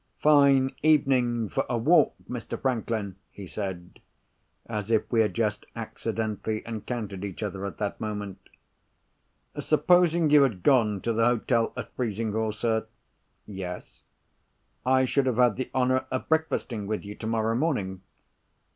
"Fine evening for a walk, Mr. Franklin," he said, as if we had just accidentally encountered each other at that moment. "Supposing you had gone to the hotel at Frizinghall, sir?" "Yes?" "I should have had the honour of breakfasting with you, tomorrow morning."